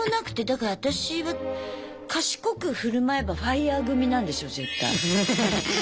だから私は賢く振る舞えばＦＩＲＥ組なんですよ絶対。